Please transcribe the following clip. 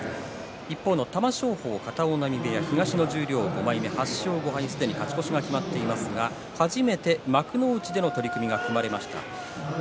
一方の玉正鳳、東十両５枚目片男波部屋、８勝５敗すぐに勝ち越しが決まっていますが初めて幕内での取組が組まれました。